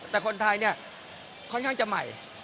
แต่คนไทยเนี่ยค่อนข้างจะใหม่